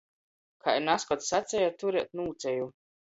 Kai nazkod saceja, – turēt nūceju.